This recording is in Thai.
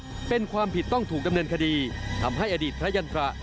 เพราะเป็นความผิดต้องถูกดำเนินคดีทำให้อดีตพระยันตระ